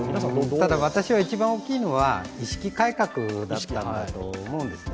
ただ、私は一番大きいのは意識改革だったなと思うんですね。